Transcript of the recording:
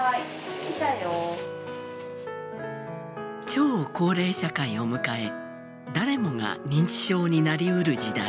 超高齢社会を迎え誰もが認知症になりうる時代。